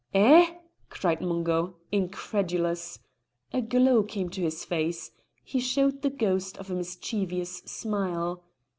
"Eh!" cried Mungo, incredulous. A glow came to his face. He showed the ghost of a mischievous smile.